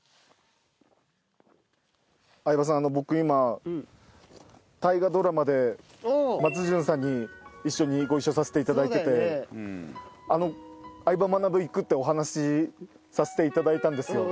相葉さん僕今大河ドラマで松潤さんに一緒にご一緒させていただいてて『相葉マナブ』行くってお話しさせていただいたんですよ。